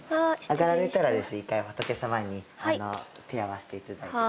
上がられたらですね１回仏様に手を合わせて頂いて。